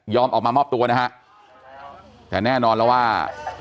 ออกมามอบตัวนะฮะแต่แน่นอนแล้วว่า